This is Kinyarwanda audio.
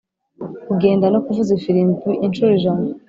kugenda no kuvuza ifirimbi inshuro ijana